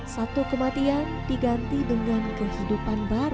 satu kematian diganti dengan kehidupan baru